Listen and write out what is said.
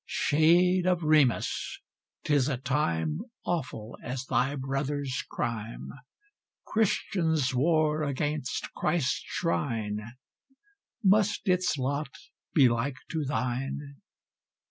Shade of Remus! 'tis a time Awful as thy brother's crime! Christians war against Christ's shrine: Must its lot be like to thine?